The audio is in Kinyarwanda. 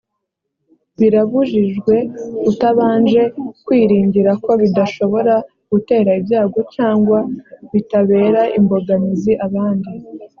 birabujijwe utabanje kwiringira ko bidashobora gutera ibyago cyangwa bitabera imbogamizi abandi